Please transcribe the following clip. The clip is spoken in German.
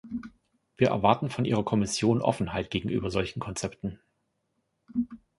Wir erwarten von Ihrer Kommission Offenheit gegenüber solchen Konzepten.